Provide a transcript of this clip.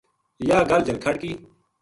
یاہ گل جلکھڈ کی